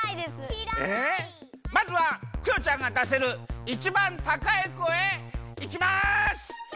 まずはクヨちゃんがだせるいちばんたかい声いきます！